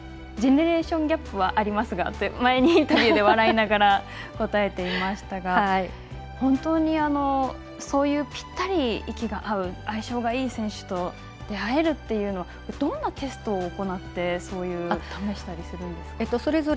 木原選手ジェネレーションギャップはありますがって前にインタビューで笑いながら答えていましたが本当にそういうぴったり息が合う相性がいい選手と出会えるというのはどんなテストを行って試したりするんですか？